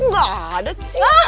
gak ada cium